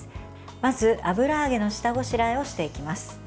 まず油揚げの下ごしらえをしていきます。